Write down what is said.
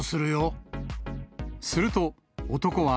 すると、男は、